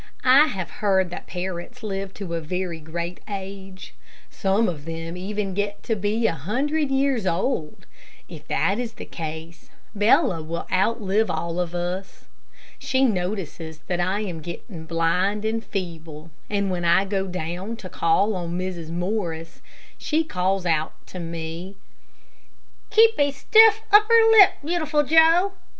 I have heard that parrots live to a very great age. Some of them even get to be a hundred years old. If that is the case, Bella will outlive all of us. She notices that I am getting blind and feeble, and when I go down to call on Mrs. Morris, she calls out to me, "Keep a stiff upper lip, Beautiful Joe.